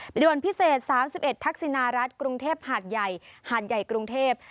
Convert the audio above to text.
ด่วนพิเศษ๓๑ทักษินารัฐกรุงเทพหาดใหญ่หาดใหญ่กรุงเทพ